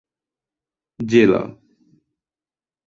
জেলা